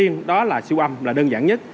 khối ô nặng bệnh nhân